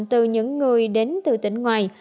từ những người đến từ tỉnh ngoài